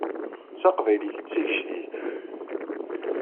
D taqbaylit i d tigejdit.